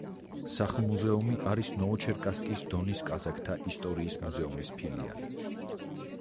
სახლ-მუზეუმი არის ნოვოჩერკასკის დონის კაზაკთა ისტორიის მუზეუმის ფილიალი.